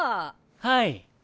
はい。